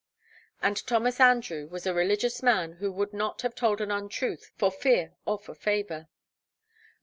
And Thomas Andrew was 'a religious man, who would not have told an untruth for fear or for favour.'